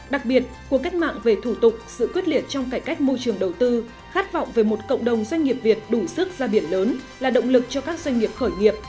đặc biệt cuộc cách mạng về thủ tục sự quyết liệt trong cải cách môi trường đầu tư khát vọng về một cộng đồng doanh nghiệp việt đủ sức ra biển lớn là động lực cho các doanh nghiệp khởi nghiệp